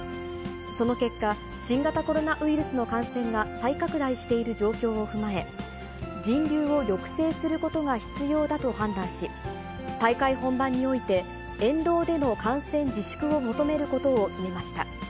その結果、新型コロナウイルスの感染が再拡大している状況を踏まえ、人流を抑制することが必要だと判断し、大会本番において、沿道での観戦自粛を求めることを決めました。